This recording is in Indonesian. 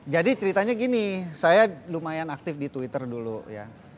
jadi ceritanya gini saya lumayan aktif di twitter dulu ya